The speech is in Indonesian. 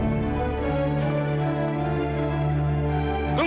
ayah gue bersihkan